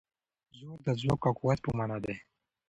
زور د ځواک او قوت په مانا دی.